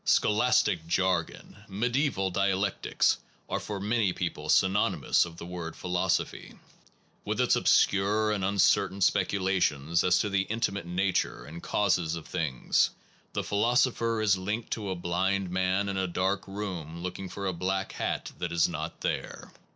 Scholastic jargon/ mediaeval dialectics, are for many people synonyms of the word phi losophy. With his obscure and uncertain spec ulations as to the intimate nature and causes of things, the philosopher is likened to a blind man in a dark room looking for a black hat that is not there.